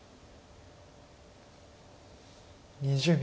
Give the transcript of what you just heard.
２０秒。